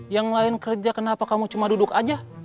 yang lain kerja kenapa kamu cuma duduk aja